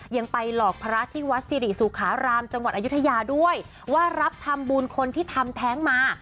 ยังไปหลอกพระที่วัดสิริสุขารามจังหวัดอายุทยาด้วยว่ารับทำบุญคนที่ทำแท้งมา